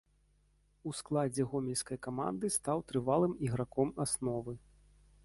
У складзе гомельскай каманды стаў трывалым іграком асновы.